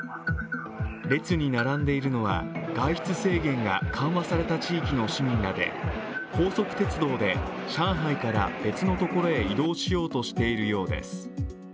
列に並んでいるのは外出制限が緩和された地域の市民らで高速鉄道で上海から別の所へ移動しようとしているようです。